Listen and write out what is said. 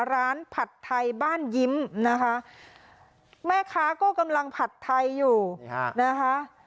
ผัดไทยบ้านยิ้มนะคะแม่ค้าก็กำลังผัดไทยอยู่นะคะ